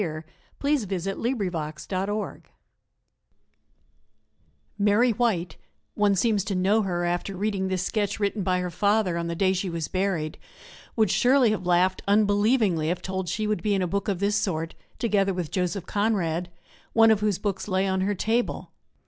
MARY WHITE By WILLIAM ALLEN WHITE Mary White one seems to know her after reading this sketch written by her father on the day she was buried would surely have laughed unbelievingly if told she would be in a book of this sort, together with Joseph Conrad, one of whose books lay on her table.